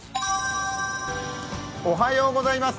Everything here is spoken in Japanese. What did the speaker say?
おはようございます。